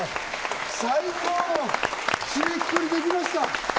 最高の締めくくりができました！